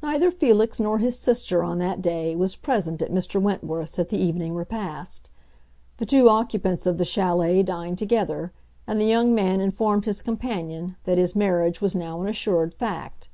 Neither Felix nor his sister, on that day, was present at Mr. Wentworth's at the evening repast. The two occupants of the chalet dined together, and the young man informed his companion that his marriage was now an assured fact.